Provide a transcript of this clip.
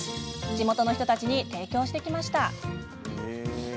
地元の人たちに提供してきました。